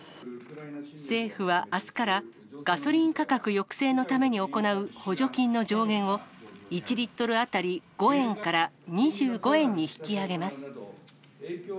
政府はあすから、ガソリン価格抑制のために行う補助金の上限を、１リットル当たり５円から２５円に引き上げます。